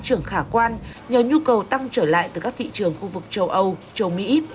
trưởng khả quan nhờ nhu cầu tăng trở lại từ các thị trường khu vực châu âu châu mỹ